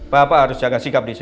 papa harus jaga sikap disini